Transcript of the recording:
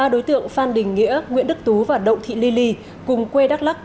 ba đối tượng phan đình nghĩa nguyễn đức tú và đậu thị ly ly ly cùng quê đắk lắc